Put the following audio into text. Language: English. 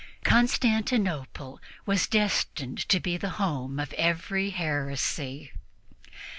Constantinople was destined to be the home of every heresy.